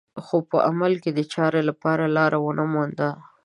خو په عمل کې دې چارې لپاره لاره ونه مونده